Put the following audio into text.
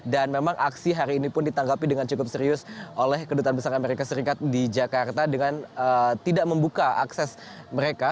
dan memang aksi hari ini pun ditanggapi dengan cukup serius oleh kedutaan besar amerika serikat di jakarta dengan tidak membuka akses mereka